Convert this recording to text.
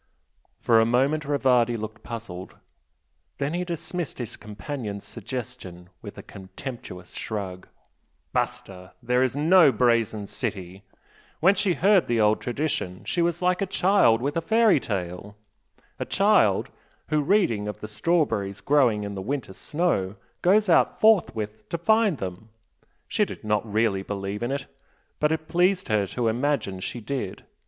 For a moment Rivardi looked puzzled, then he dismissed his companion's suggestion with a contemptuous shrug. "Basta! There is no 'Brazen City'! When she heard the old tradition she was like a child with a fairy tale a child who, reading of strawberries growing in the winter snow, goes out forthwith to find them she did not really believe in it but it pleased her to imagine she did.